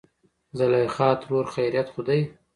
زليخاترور : خېرت خو دى.